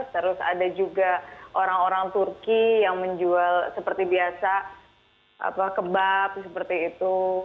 terus ada juga orang orang turki yang menjual seperti biasa kebab seperti itu